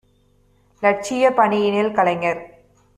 இலட்சியப் பணியினில் கலைஞர்